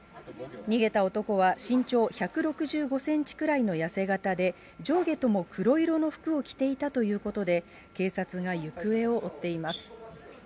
逃げた男は身長１６５センチぐらいの痩せ形で、上下とも黒色の服を着ていたということで、警察が行方を追っています。